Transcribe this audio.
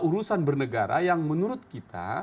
urusan bernegara yang menurut kita